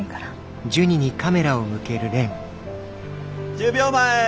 １０秒前！